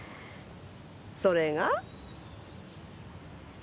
それが？